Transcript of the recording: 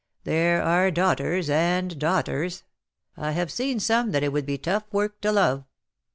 There are daughters and daughters — I have seen some that it would be tough work to love.